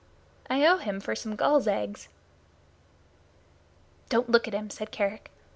I owe him for some gulls' eggs." "Don't look at him," said Kerick.